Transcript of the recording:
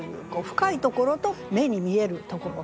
深いところと目に見えるところ。